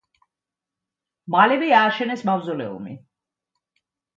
მალევე ააშენეს მავზოლეუმი.